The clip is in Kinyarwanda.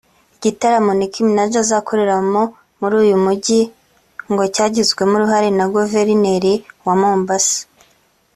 Igitaramo Nicki Minaj azakorera muri uyu mujyi ngo cyagizwemo uruhare na Guverineri wa Mombasa